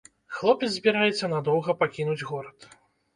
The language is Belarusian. Хлопец збіраецца надоўга пакінуць горад.